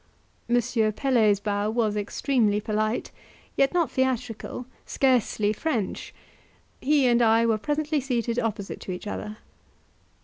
M. Pelet's bow was extremely polite, yet not theatrical, scarcely French; he and I were presently seated opposite to each other.